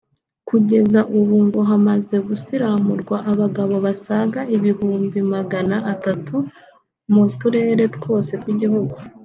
Kugeza ubu ngo hamaze gusiramurwa abagabo basaga ibihumbi magana atatu mu turere twose tw’igihugu